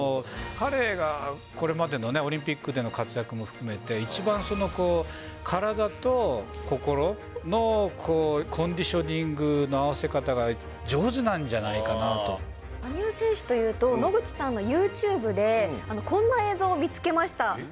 これまでのね、オリンピックでの活躍も含めて、一番カラダと心のコンディショニングの合わせ方が上手なんじゃな羽生選手というと、野口さんのユーチューブで、こんな映像見つけました。